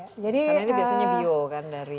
karena ini biasanya bio kan dari